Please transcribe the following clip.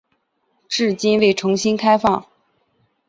至今未重新开放。